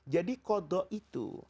jadi qodoh itu